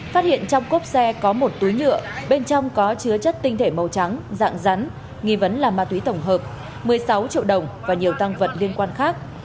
phát hiện trong cốp xe có một túi nhựa bên trong có chứa chất tinh thể màu trắng dạng rắn nghi vấn là ma túy tổng hợp một mươi sáu triệu đồng và nhiều tăng vật liên quan khác